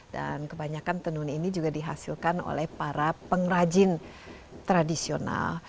dan kebanyakan tenun ini juga dihasilkan oleh para pengrajin tradisional